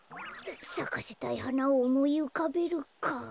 さかせたいはなをおもいうかべるか。